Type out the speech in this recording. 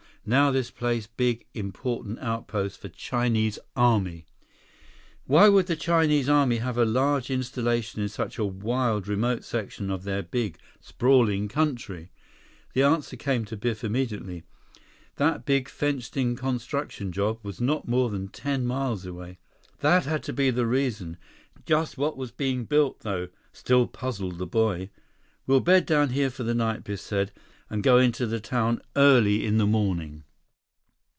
Now this place big, important outpost for Chinese Army." Why would the Chinese Army have a large installation in such a wild, remote section of their big, sprawling country? The answer came to Biff immediately. That big, fenced in construction job was not more than ten miles away. That had to be the reason. Just what was being built, though, still puzzled the boy. "We'll bed down here for the night," Biff said, "and go into the town early in the morning."